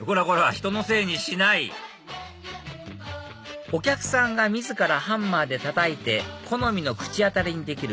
ひとのせいにしないお客さんが自らハンマーでたたいて好みの口当たりにできる